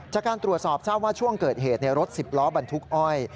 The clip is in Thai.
จากการตรวจสอบทราบว่าช่วงเกิดเหตุรถ๑๐ล้อบรรทุกอ้อย